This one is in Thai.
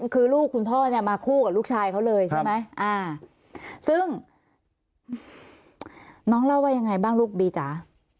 คือลูกคุณพ่อเนี่ยมาคู่กับลูกชายเขาเลยใช่ไหมซึ่งน้องเล่าว่ายังไงบ้างลูกบีจ๋า